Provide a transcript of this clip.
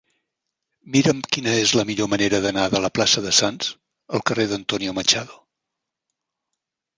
Mira'm quina és la millor manera d'anar de la plaça de Sants al carrer d'Antonio Machado.